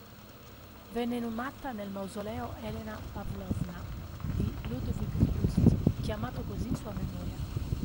Venne inumata nel "Mausoleo Elena Pavlovna" di Ludwigslust, chiamato così in sua memoria.